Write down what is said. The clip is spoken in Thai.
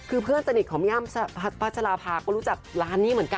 คือเพื่อนสนิทของพี่อ้ำพัชราภาก็รู้จักร้านนี้เหมือนกัน